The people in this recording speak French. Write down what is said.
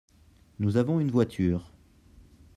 Nous avons une voiture.